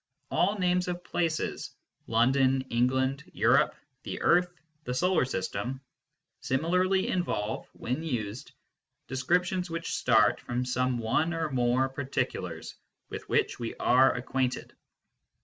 All names of places London, England, Europe, the earth, the Solar System similarly involve, when used, descriptions which start from some one or more particulars with which we are acquainted.